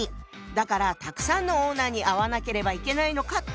だからたくさんのオーナーに会わなければいけないのかって